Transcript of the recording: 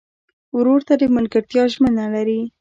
ورور ته د ملګرتیا ژمنه لرې.